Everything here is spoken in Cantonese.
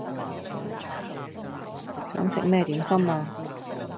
想食咩點心呀